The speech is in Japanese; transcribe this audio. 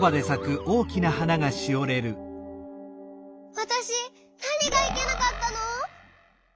わたしなにがいけなかったの！？